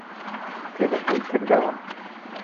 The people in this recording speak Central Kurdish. کتێبەکەی کردەوە.